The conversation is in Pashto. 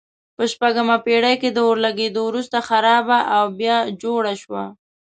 په شپږمه پېړۍ کې د اور لګېدو وروسته خرابه او بیا جوړه شوه.